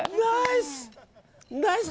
ナイス！